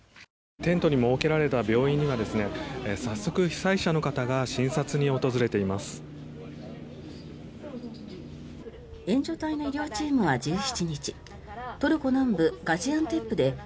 テントに設けられた病院には早速、被災者の方が診察に訪れています。